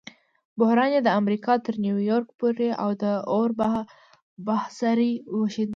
بحران یې د امریکا تر نیویارک پورې د اور بڅري وشیندل.